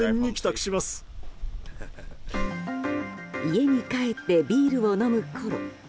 家に帰ってビールを飲むころ